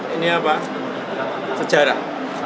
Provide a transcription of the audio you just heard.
ini apa sejarah